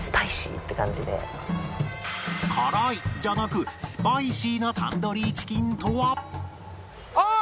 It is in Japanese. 「辛い」じゃなくスパイシーなタンドリーチキンとは？あっ！